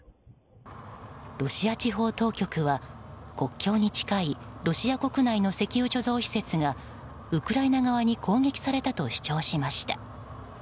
ロシア地方当局は国境に近いロシア国内の石油貯蔵施設がウクライナ側に攻撃されたと主張しました。